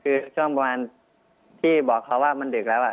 คือช่วงประมาณที่บอกเขาว่ามันดึกแล้ว